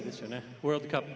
ワールドカップ。